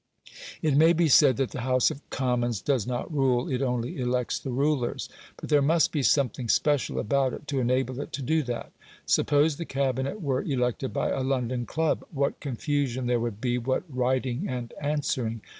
It may be said that the House of Commons does not rule, it only elects the rulers. But there must be something special about it to enable it to do that. Suppose the Cabinet were elected by a London club, what confusion there would be, what writing and answering!